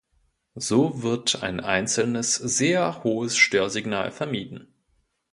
So wird ein einzelnes, sehr hohes Störsignal vermieden.